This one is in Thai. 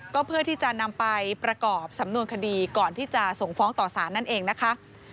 ก็เพื่อที่จะนำไปประกอบสำนวนคดีก่อนที่จะส่งฟ้องต่อสารนั่นเองนะคะ